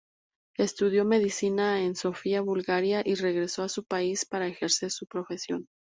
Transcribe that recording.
Estudió medicina en Sofía, Bulgaria, y regresó a su país para ejercer su profesión.